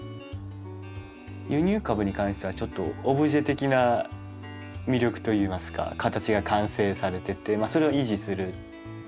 輸入株に関してはちょっとオブジェ的な魅力といいますか形が完成されててそれを維持する。